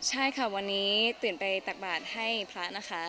ใช่ค่ะวันนี้ตื่นไปตักบาทให้พระนะคะ